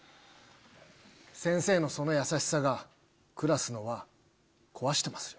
先生のその優しさがクラスの和壊してますよ。